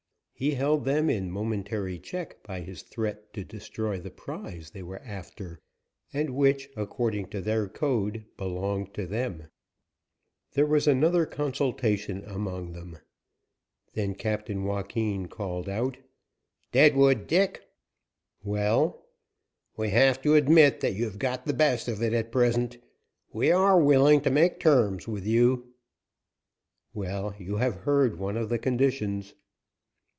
He held them in momentary check by his threat to destroy the prize they were after, and which, according to their code, belonged to them. There was another consultation among them. Then Captain Joaquin called out: "Deadwood Dick?" "Well?" "We have to admit that you have got the best of it at present. We are willing to make terms with you." "Well, you have heard one of the conditions."